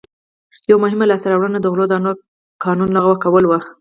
یوه مهمه لاسته راوړنه د غلو دانو قانون لغوه کول و.